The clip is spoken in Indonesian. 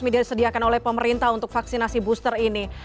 diberikan oleh pemerintah untuk vaksinasi booster ini